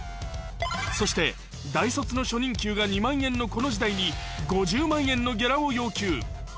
そして、大卒の初任給が２万円のこの時代に、５０万円のギャラを要求。